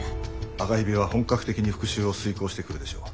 赤蛇は本格的に復讐を遂行してくるでしょう。